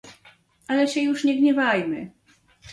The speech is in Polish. "Ale się już nie gniewajmy."